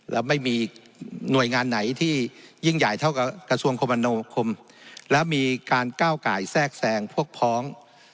แล้วไม่มีหน่วยงานไหนที่ยิ่งใหญ่เท่ากับกระทรวงคมโนคมแล้วมีการก้าวไก่แทรกแซงพวกพ้อง